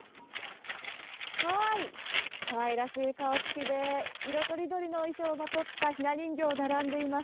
かわいらしい顔つきで、色とりどりの衣装をまとったひな人形、並んでいます。